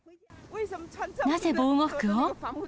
なぜ防護服を？